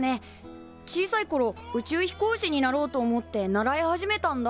小さいころ宇宙飛行士になろうと思って習い始めたんだ。